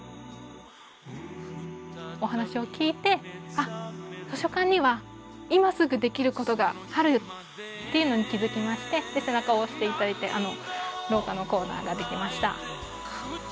お話を聞いて「あっ図書館には今すぐできることがある」っていうのに気付きまして背中を押して頂いてあの廊下のコーナーができました。